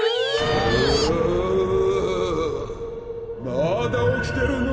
まだおきてるの！？